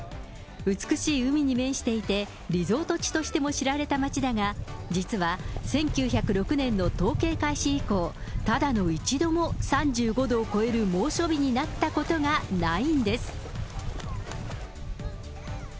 美しい海に面していて、リゾート地としても知られた街だが、実は１９０６年の統計開始以降、ただの一度も３５度を超える猛暑日になったことがないんです。